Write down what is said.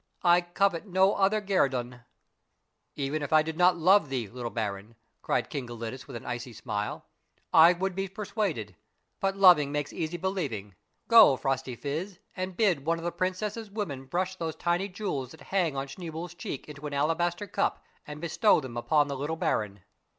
I covet no other guerdon !"" Even if I did not love thee, little baron," cried King Gelidus with an icy smile, " I would be persuaded ; but loving makes easy believing. Go, Phrostyphiz, and bid one of the princess's Avomen brush those tiny jewels that hang on Schneeboule's cheek into an alabaster cup and bestow them upon the little baron."